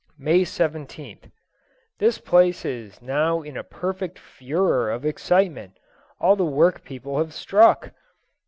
May 17th. This place is now in a perfect furor of excitement; all the work people have struck.